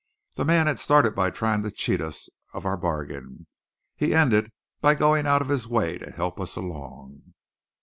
The man had started by trying to cheat us of our bargain; he ended by going out of his way to help us along.